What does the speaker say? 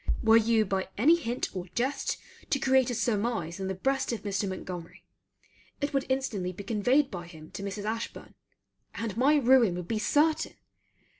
Were you by any hint or jest to create a surmise in the breast of Mr. Montgomery, it would instantly be conveyed by him to Mrs. Ashburn; and my ruin would be certain.